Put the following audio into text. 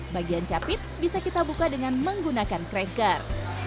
bagian capit bisa kita buka dengan menggunakan tracker